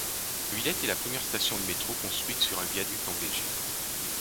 Villette est la première station de métro construite sur un viaduc en Belgique.